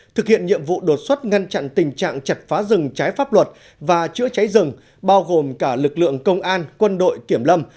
thực hiện nhiệm vụ đột xuất ngăn chặn tình trạng chặt phá rừng trái pháp luật và chữa cháy rừng bao gồm cả lực lượng công an quân đội kiểm lâm